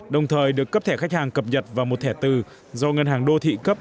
đồng thời được cấp thẻ khách hàng cập nhật vào một thẻ từ do ngân hàng đô thị cấp